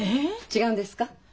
違うんですか？